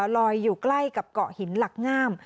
ลอยอยู่ใกล้กับเกาะหินหลักงาม